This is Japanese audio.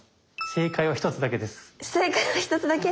正解は一つだけ？